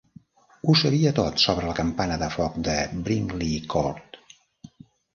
Ho sabia tot sobre la campana de foc de Brinkley Court.